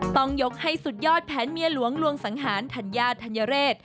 ต้องยกให้สุดยอดแผนเมียหลวงลวงสังหารธัญญาธัญเรศ